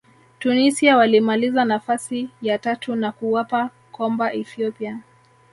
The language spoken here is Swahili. tunisia walimaliza nafasi ya tatu na kuwapa komba ethiopia